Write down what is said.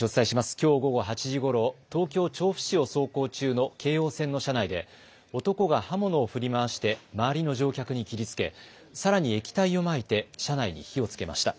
きょう午後８時ごろ、東京調布市を走行中の京王線の車内で男が刃物を振り回して周りの乗客に切りつけ、さらに液体をまいて車内に火をつけました。